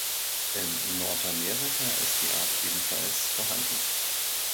In Nordamerika ist die Art ebenfalls vorhanden.